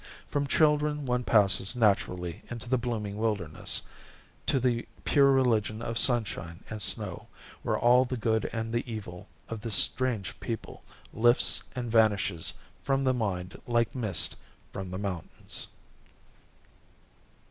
From children one passes naturally into the blooming wilderness, to the pure religion of sunshine and snow, where all the good and the evil of this strange people lifts and vanishes from the mind like mist from the mountains.